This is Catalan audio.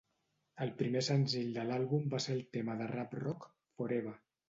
El primer senzill de l'àlbum va ser el tema de rap rock "Forever".